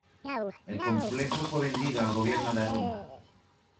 El complejo fue vendido al Gobierno de Aruba.